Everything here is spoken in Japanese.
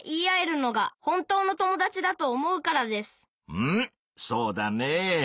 うんそうだね。